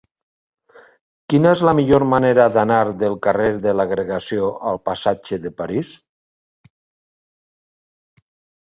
Quina és la millor manera d'anar del carrer de l'Agregació al passatge de París?